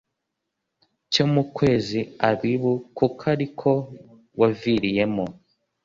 cyo mu kwezi abibu kuko ari ko waviriyemo